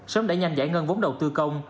sớm đẩy nhanh giải ngân vốn đầu tư công